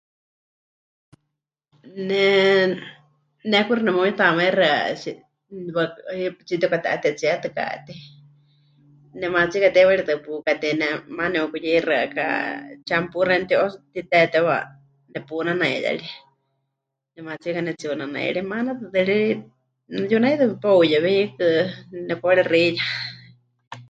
Ne, ne kuxi nemeuyutamaixɨa tsi.. waɨ... tsitepɨkate'atetsíetɨkatei, nemaatsika teiwaritɨ́a pukatei, ne maana neukuyeixɨaka shampoo xeeníu de oso mɨtitetewa nepunanaiyarie, nemaatsika pɨnetsiunanairi, maana tɨtɨ ri yunaitɨ mepeuyewe, hiikɨ ri nepɨkawarexeiya.